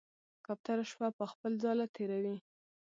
کوتره شپه په خپل ځاله تېروي.